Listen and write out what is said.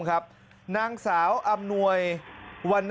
คลิปนี้เป็นเหตุการณ์ที่เกิดขึ้นเมื่อคืนวันที่๖